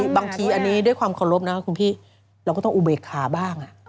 บางทีอันนี้ด้วยความเคารพนะคุณพี่เราก็ต้องอุเบกขาบ้าง